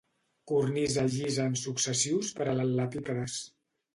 Cornisa llisa en successius paral·lelepípedes.